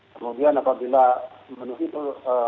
kemudian apabila memenuhi itu